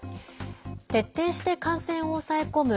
徹底して感染を抑え込む